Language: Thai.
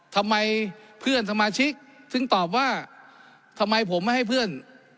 ทำไมเพื่อนสมาชิกถึงตอบว่าทำไมผมไม่ให้เพื่อน